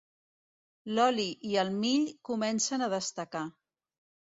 L'oli i el mill comencen a destacar.